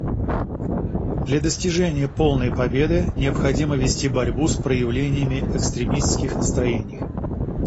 Для достижения полной победы необходимо вести борьбу с проявлениями экстремистских настроений.